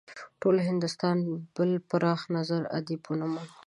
ټول هندوستان بل پراخ نظره ادیب ونه موند.